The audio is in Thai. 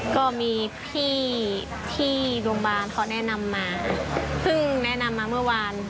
ก็มีพี่ที่โรงพยาบาลเขาแนะนำมาเพิ่งแนะนำมาเมื่อวาน